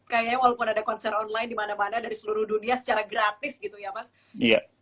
kayaknya walaupun ada konser online di mana mana dari seluruh dunia secara gratis gitu ya mas